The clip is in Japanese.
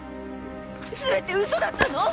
全て嘘だったの！？